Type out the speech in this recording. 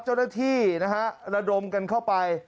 เจ้าหน้าที่นะฮะระดมกันเข้าไป